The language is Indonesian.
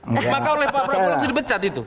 maka oleh pak rambu harus di becat itu